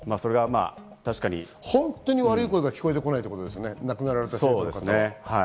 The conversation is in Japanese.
本当に悪い声が聞こえてこないってことですね、亡くなられた子に関して。